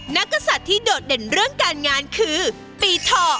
กษัตริย์ที่โดดเด่นเรื่องการงานคือปีทอ